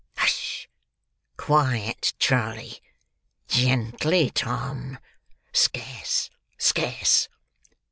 Hush! Quiet, Charley! Gently, Tom! Scarce, scarce!"